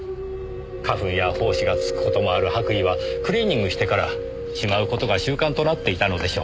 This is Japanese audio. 花粉や胞子がつく事もある白衣はクリーニングしてからしまう事が習慣となっていたのでしょう。